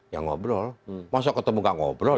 ya ngobrol masa ketemu gak ngobrol